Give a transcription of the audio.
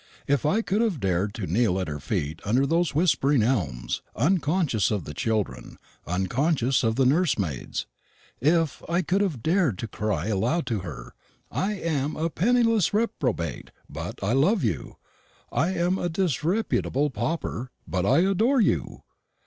If I could have dared to kneel at her feet under those whispering elms, unconscious of the children, unconscious of the nursemaids, if I could have dared to cry aloud to her, "I am a penniless reprobate, but I love you; I am a disreputable pauper, but I adore you!